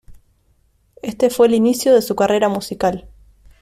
Este fue el inicio de su carrera musical.